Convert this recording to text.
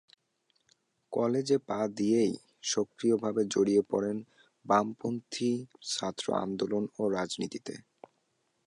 কলেজে পা দিয়েই সক্রিয়ভাবে জড়িয়ে পড়েন বামপন্থী ছাত্র আন্দোলন ও রাজনীতিতে।